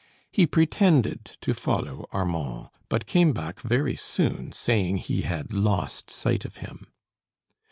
He pretended to follow Armand; but came back very soon, saying he had lost sight of him.